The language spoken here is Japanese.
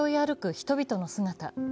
人々の姿。